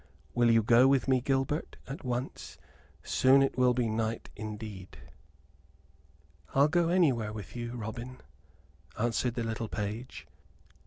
Will you go with me, Gilbert, at once? Soon it will be night indeed." "I'll go anywhere with you, Robin," answered the little page.